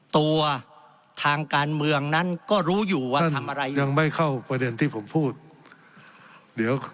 ตัวทางการเมืองนั้นก็รู้อยู่ว่าทำอะไรยังไม่เข้าประเด็นที่ผมพูดเดี๋ยว